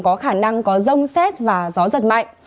có khả năng có rông xét và gió giật mạnh